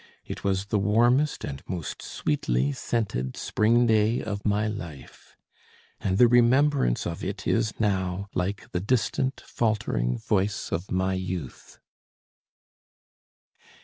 It was the warmest and most sweetly scented spring day of my life, and the remembrance of it is now like the distant, faltering voice of my youth.